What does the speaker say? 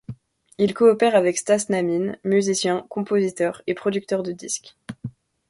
Il coopère avec Stas Namin, musicien, compositeur et producteur de disques.